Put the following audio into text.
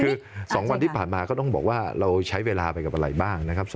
คือ๒วันที่ผ่านมาก็ต้องบอกว่าเราใช้เวลาไปกับอะไรบ้างนะครับ